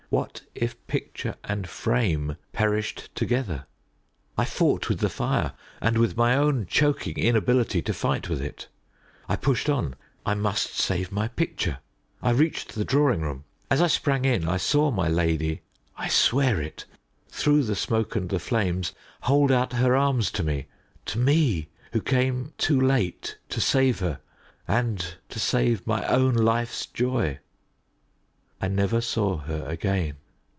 _" What if picture and frame perished together? I fought with the fire, and with my own choking inability to fight with it. I pushed on. I must save my picture. I reached the drawing room. As I sprang in I saw my lady I swear it through the smoke and the flames, hold out her arms to me to me who came too late to save her, and to save my own life's joy. I never saw her again.